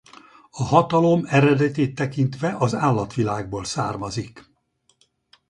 A hatalom eredetét tekintve az állatvilágból származik.